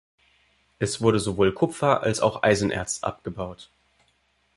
Es wurde sowohl Kupfer, als auch Eisenerz abgebaut.